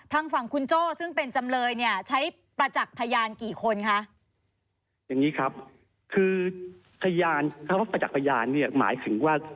ทางฝั่งคุณจ้อซึ่งเป็นจำเลยเนี่ยใช้ประจักษ์พยานกี่คนคะ